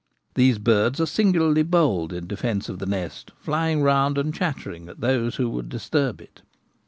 These birds are singularly bold in defence of the nest, flying round and chattering at those who would disturb it.